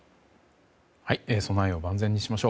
備えを万全にしましょう。